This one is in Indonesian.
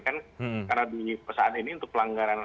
karena di saat ini untuk pelanggaran